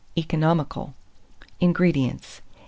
(Economical.) 184. INGREDIENTS.